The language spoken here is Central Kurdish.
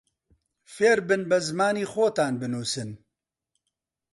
فێربن بە زمانی خۆتان بنووسن